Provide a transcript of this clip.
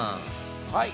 はい。